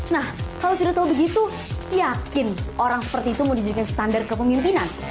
nah kalau sudah tahu begitu yakin orang seperti itu mau dijadikan standar kepemimpinan